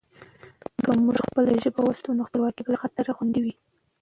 که موږ خپله ژبه وساتو، نو خپلواکي به له خطره خوندي وي.